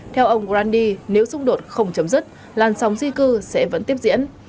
theo ông grandhi nếu xung đột không chấm dứt làn sóng di cư sẽ vẫn tiếp diễn